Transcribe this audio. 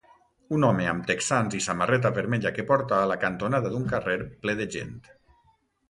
Un home amb texans i samarreta vermella que porta a la cantonada d'un carrer ple de gent.